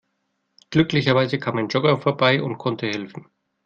Glücklicherweise kam ein Jogger vorbei und konnte helfen.